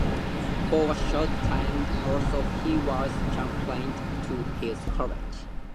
For a short, time also he was chaplain to his college.